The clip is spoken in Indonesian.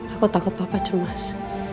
aku takut papa cemas